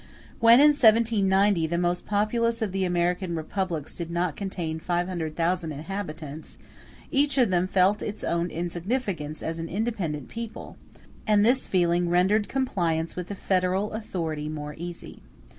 When, in 1790, the most populous of the American republics did not contain 500,000 inhabitants, *g each of them felt its own insignificance as an independent people, and this feeling rendered compliance with the federal authority more easy.